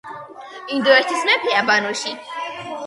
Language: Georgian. ინდოეთის მეფე აბანოში